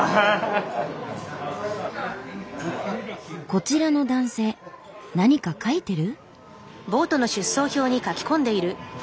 こちらの男性何か書いてる？